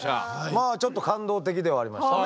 まあちょっと感動的ではありましたね。